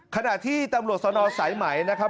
ขณะที่ตำรวจสนสายไหมนะครับ